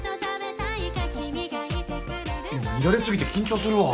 見られすぎて緊張するわ。